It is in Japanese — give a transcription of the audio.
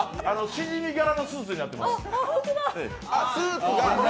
しじみ柄のスーツになってます。